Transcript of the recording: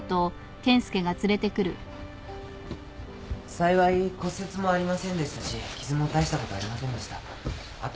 幸い骨折もありませんでしたし傷も大したことありませんでした。